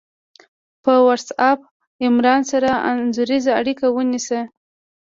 په وټس آپ عمران سره انځوریزه اړیکه ونیسه